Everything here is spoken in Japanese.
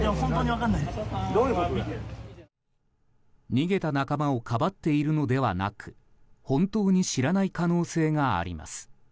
逃げた仲間をかばっているのではなく本当に知らない可能性があります。